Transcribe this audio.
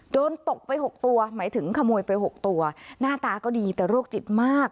ตกไป๖ตัวหมายถึงขโมยไป๖ตัวหน้าตาก็ดีแต่โรคจิตมาก